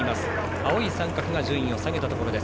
青い三角が順位を下げたところです。